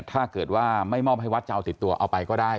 ถ้าเกิดว่าไม่มอบให้วัดจะเอาติดตัวเอาไปก็ได้